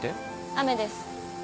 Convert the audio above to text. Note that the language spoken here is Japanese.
雨です。